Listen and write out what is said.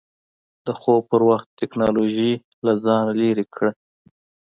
د خوب پر وخت ټېکنالوژي له ځان لرې کړه.